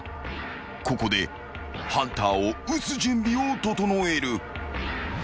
［ここでハンターを撃つ準備を整える］